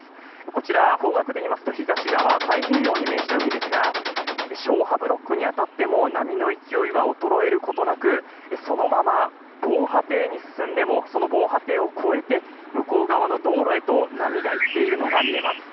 こちら、方角で言いますと東側太平洋に面した海ですが消波ブロックに当たっても波の勢いは衰えることなくそのまま防波堤に進んでもその防波堤を越えて向こう側の道路へと波が行っているのが見えます。